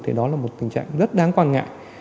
thì đó là một tình trạng rất đáng quan ngại